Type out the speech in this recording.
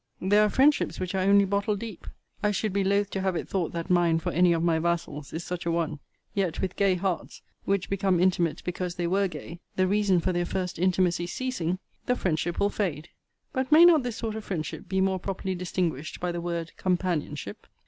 There are friendships which are only bottle deep: I should be loth to have it thought that mine for any of my vassals is such a one. Yet, with gay hearts, which become intimate because they were gay, the reason for their first intimacy ceasing, the friendship will fade: but may not this sort of friendship be more properly distinguished by the word companionship?